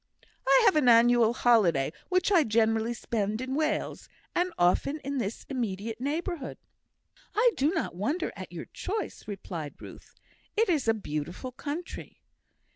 I have an annual holiday, which I generally spend in Wales; and often in this immediate neighbourhood." "I do not wonder at your choice," replied Ruth. "It is a beautiful country."